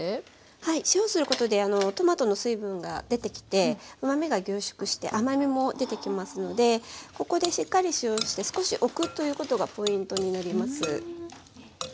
はい塩をすることでトマトの水分が出てきてうまみが凝縮して甘みも出てきますのでここでしっかり塩をして少しおくということがポイントになります。